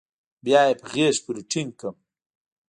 بيا يې په غېږ پورې ټينگ کړم.